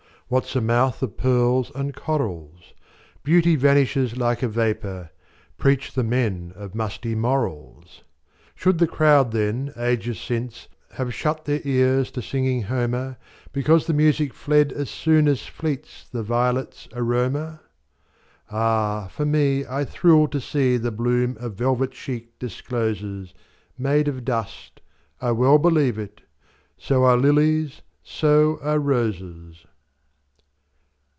What 's a mouth of pearls and corals? Beauty vanishes like a vapor, Preach the men of musty morals! Should the crowd then, ages since, Have shut their ears to singing Homer, Because the music fled as soonAs fleets the violets' aroma? Ah, for me, I thrill to seeThe bloom a velvet cheek discloses, Made of dust—I well believe it! So are lilies, so are roses!